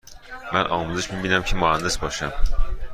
من آموزش می بینم که مهندس باشم.